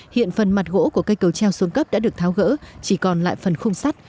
hiện phần mặt gỗ của cây cầu treo xuống cấp đã được tháo gỡ chỉ còn lại phần khung sắt